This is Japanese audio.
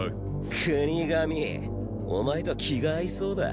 國神お前とは気が合いそうだ。